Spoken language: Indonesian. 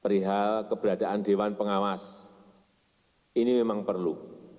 perihal keberadaan dewan pengawas ini memang perlu